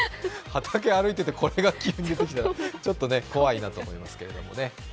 畑歩いててこれが急に出てきたらちょっと怖いと思いますけどね。